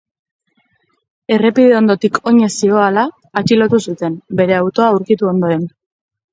Errepide ondotik oinez zihoala atxilotu zuten, bere autoa aurkitu ondoren.